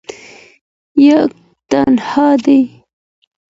یک تنها دی